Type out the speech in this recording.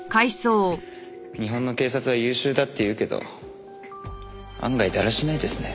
日本の警察は優秀だっていうけど案外だらしないですね。